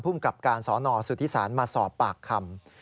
กับการสนสุธิศาลมาสอบปากคำ